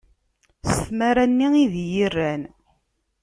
S tmara-nni i d iyi-rran.